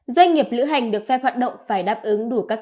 doanh nghiệp lữ hành được phép hoạt động phải đáp ứng đủ các